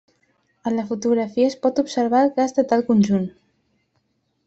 A la fotografia es pot observar el cas de tal conjunt.